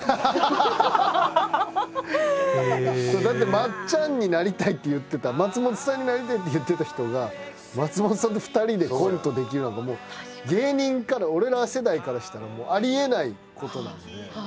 だって松ちゃんになりたいって言ってた松本さんになりたいって言ってた人が松本さんと２人でコントできるなんて芸人から俺ら世代からしたらありえないことなんで。